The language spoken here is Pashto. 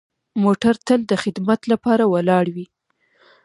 موټر تل د خدمت لپاره ولاړ وي.